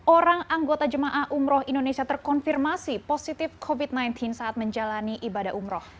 orang anggota jemaah umroh indonesia terkonfirmasi positif covid sembilan belas saat menjalani ibadah umroh